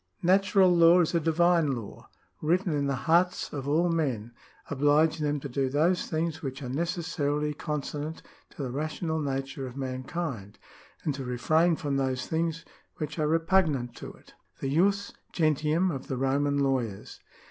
—" Natural law is a divine law, written in the hearts of all men, obUging them to do those things which are necessaril}'' consonant to the rational nature of mankind, and to refrain from those things which are repugnant to it." ^ The Jus Gentium of the Roman Lawyers.